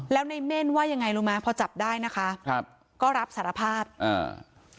แล้วในเม่นว่ายังไงรู้ไหมพอจับได้นะคะครับก็รับสารภาพอ่า